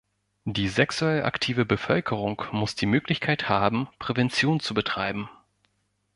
Die sexuell aktive Bevölkerung muss die Möglichkeit haben, Prävention zu betreiben.